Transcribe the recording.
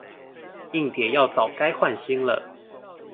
硬碟要早該換新了